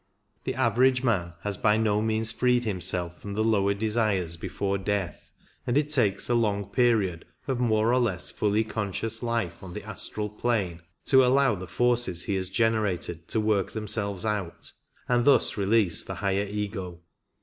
The average man has by no means freed himself from the lower desires before death, and it takes a long period of more or less fully conscious life on the astral plane to allow the forces he has generated to work themselves out, and thus release the higher Ego.